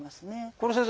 これ先生